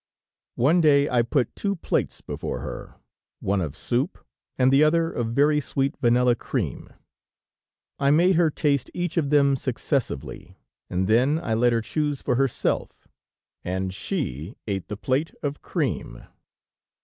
"One day I put two plates before her, one of soup, and the other of very sweet vanilla cream. I made her taste each of them successively, and then I let her choose for herself, and she ate the plate of cream.